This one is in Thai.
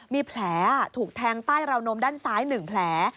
มีแผลถูกแทงใต้ราวนมด้านซ้าย๑แผล